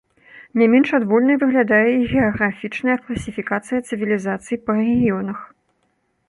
Не менш адвольнай выглядае і геаграфічная класіфікацыя цывілізацый па рэгіёнах.